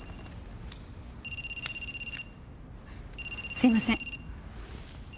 すいません。